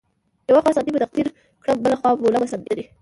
یو خوا ساندې په تقدیر کړم بل خوا بولمه سندرې